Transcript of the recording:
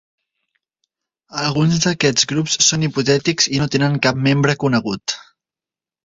Alguns d'aquests grups són hipotètics i no tenen cap membre conegut.